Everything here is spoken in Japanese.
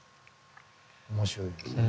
面白いですよね。